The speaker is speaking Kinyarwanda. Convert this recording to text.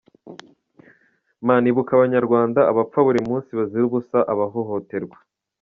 Mana ibuka abanyarwanda, abapfa buri munsi bazira ubusa abahohoterwa.